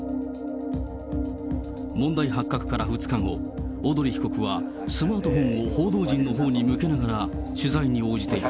問題発覚から２日後、小鳥被告はスマートフォンを報道陣のほうに向けながら取材に応じていた。